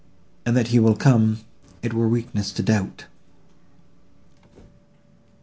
—and that he will come—it were weakness to doubt."